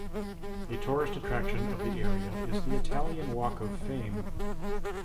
A tourist attraction of the area is the Italian Walk of Fame.